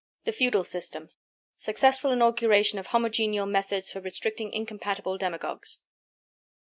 THE FEUDAL SYSTEM: SUCCESSFUL INAUGURATION OF HOMOGENEAL METHODS FOR RESTRICTING INCOMPATIBLE DEMAGOGUES.